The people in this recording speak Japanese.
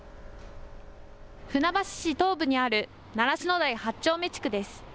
船橋市東部にある習志野台８丁目地区です。